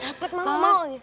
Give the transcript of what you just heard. dapet mama mau